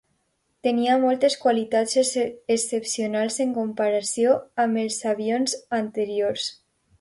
Tenia moltes qualitats excepcionals en comparació amb els avions anteriors.